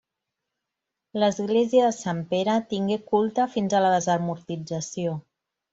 L'església de Sant Pere tingué culte fins a la desamortització.